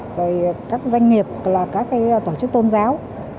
rồi các doanh nghiệp các tổ chức tôn giáo